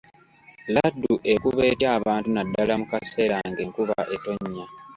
Laddu ekuba etya abantu naddala mu kaseera ng'ekuba ettonya.